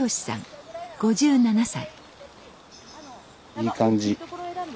いい感じ。